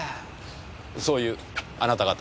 そういうあなた方は？